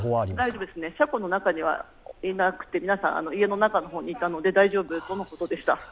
大丈夫ですね、車庫の中にはいなくて、皆さん家の中にいたので大丈夫とのことでした。